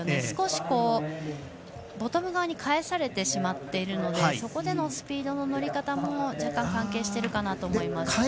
少しボトム側に返されているのでそこでのスピードの乗り方も若干、関係しているかなと思います。